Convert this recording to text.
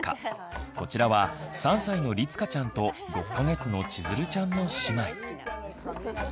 こちらは３歳のりつかちゃんと６か月のちづるちゃんの姉妹。